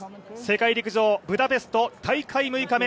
世界陸上ブダペスト大会６日目。